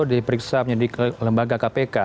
diperiksa penyelidik lembaga kpk